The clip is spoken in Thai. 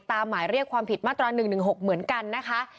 หมายเรียกความผิดมาตรา๑๑๖เหมือนกันนะคะ